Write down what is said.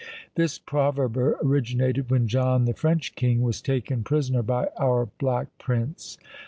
This proverb originated when John, the French king, was taken prisoner by our Black Prince.